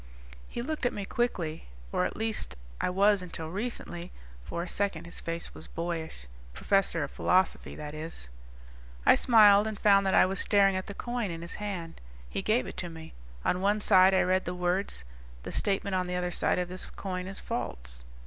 He looked at me quickly. "Or at least I was until recently." For a second his face was boyish. "Professor of Philosophy, that is." I smiled and found that I was staring at the coin in his hand. He gave it to me. On one side I read the words: THE STATEMENT ON THE OTHER SIDE OF THIS COIN IS FALSE.